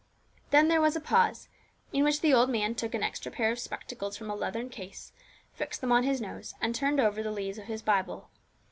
Then there was a pause, in which the old man took an extra pair of spectacles from a leathern case, fixed them on his nose, and turned over the leaves of his Bible.